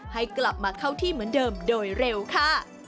ให้กลับมาเข้าที่เหมือนเดิมโดยเร็วค่ะ